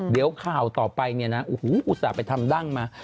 เดี๋ยวข่าวต่อไปอุตส่าห์ไปทำดั้งมา